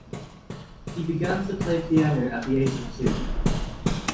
He began to play piano at the age of two.